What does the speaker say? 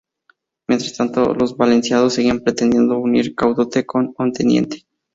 Mientras tanto, los valencianos seguían pretendiendo unir Caudete con Onteniente.